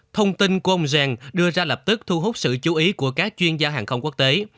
thông tin của ông rèn đưa ra lập tức thu hút sự chú ý của các chuyên gia hàng không quốc tế